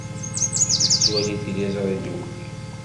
Nettwali tiliẓri ddukkli.